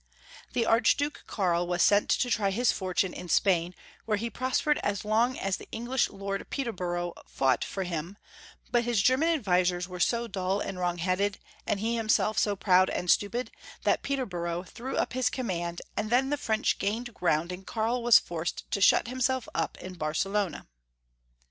The Archduke Karl was sent to try his fortune in Spain, where he prospered as long as the En glish Lord Peterborough fought for liim, but his German advisers were so dull and wrong headed, and he himself so proud and stupid, that Peter borough threw up his command, and then the French gained ground, and Karl was forced to shut himself up in Barcelona.